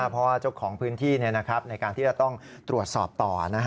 เพราะว่าเจ้าของพื้นที่ในการที่จะต้องตรวจสอบต่อ